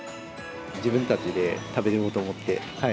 自分たちで食べようと思って。